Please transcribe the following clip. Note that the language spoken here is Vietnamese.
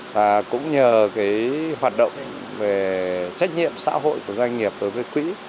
và cũng nhờ hoạt động về trách nhiệm xã hội của doanh nghiệp với quỹ